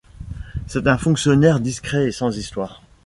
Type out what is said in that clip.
C’est un fonctionnaire discret et sans histoire.